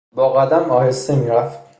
باقدم آهسته میرفت